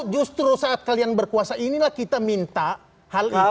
justru saat kalian berkuasa inilah kita minta hal ini